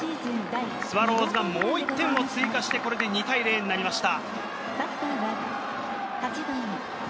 スワローズがもう１点を追加して、これで２対０になりました。